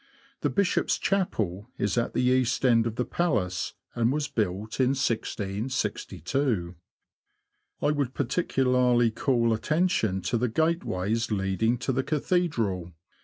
The Bishop's Chapel is at the east end of the Palace, and was built in 1662. I would particularly call attention to the gateways leading to the Cathedral.